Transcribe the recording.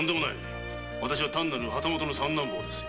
私は単なる旗本の三男坊です。